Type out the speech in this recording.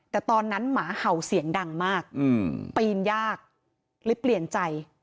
แต่ตอนนั้นหมาเห่าเสียงดังมากปีนยากเลยเปลี่ยนใจ